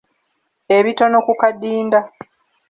Ebitono ku kadinda.